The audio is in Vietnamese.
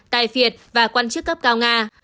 tài phiệt và quan chức cấp cao nga